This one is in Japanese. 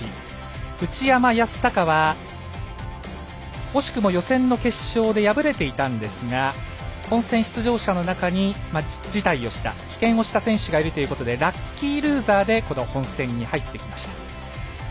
内山靖崇は惜しくも予選の決勝で敗れていたんですが本戦出場者の中に辞退をした、棄権をした選手がいるということでラッキールーザーでこの本戦に入ってきました。